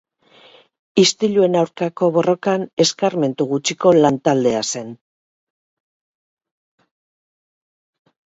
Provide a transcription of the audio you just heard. Istiluen aurkako borrokan eskarmentu gutxiko lan-taldea zen.